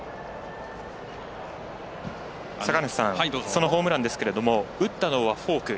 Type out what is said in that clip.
そのホームランですけれども打ったのはフォーク。